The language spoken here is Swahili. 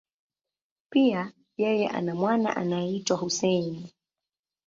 Pia, yeye ana mwana anayeitwa Hussein.